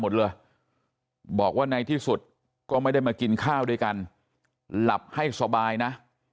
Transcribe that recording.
หมดเลยบอกว่าในที่สุดก็ไม่ได้มากินข้าวด้วยกันหลับให้สบายนะ